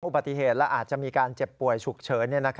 อุบัติเหตุและอาจจะมีการเจ็บป่วยฉุกเฉิน